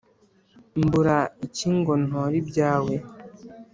mbura iki ngo ntore ibyawe?